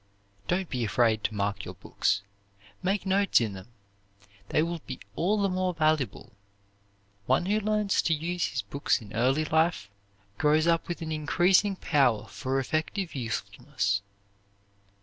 Don't be afraid to mark your books. Make notes in them. They will be all the more valuable. One who learns to use his books in early life, grows up with an increasing power for effective usefulness.